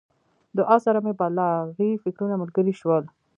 دعا سره مې بلاغي فکرونه ملګري شول.